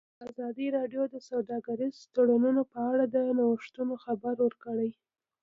ازادي راډیو د سوداګریز تړونونه په اړه د نوښتونو خبر ورکړی.